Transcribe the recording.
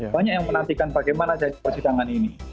banyak yang menantikan bagaimana dari persidangan ini